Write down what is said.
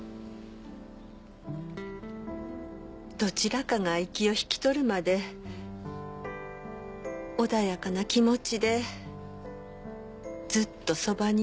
どちらかが息を引き取るまで穏やかな気持ちでずっとそばにいられます。